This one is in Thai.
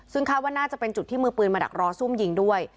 ซึ่งคาดว่าน่าจะเป็นจุดที่มือปืนมาดักรอซุ่มยิงด้วย